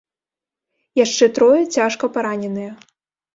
Яшчэ трое цяжка параненыя.